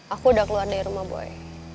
aku udah keluar dari rumah buaya